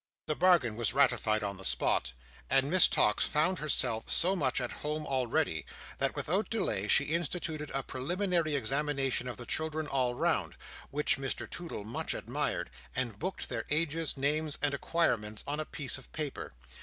The bargain was ratified on the spot; and Miss Tox found herself so much at home already, that without delay she instituted a preliminary examination of the children all round—which Mr Toodle much admired—and booked their ages, names, and acquirements, on a piece of paper.